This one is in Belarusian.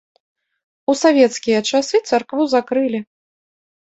У савецкія часы царкву закрылі.